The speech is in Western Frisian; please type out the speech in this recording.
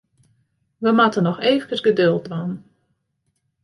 Wy moatte noch eefkes geduld dwaan.